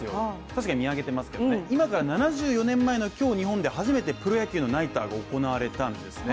確かに見上げていますけれども今から７２年前の日本で初めてプロ野球のナイターが行われたんですね。